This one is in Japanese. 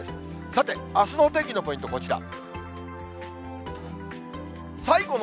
さて、あすのお天気のポイント、こちら。